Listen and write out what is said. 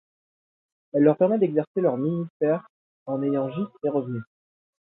Elle leur permet d'exercer leur ministère en ayant gîte et revenus.